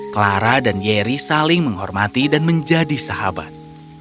clara dan yeri saling menghormati dan menjadi sahabat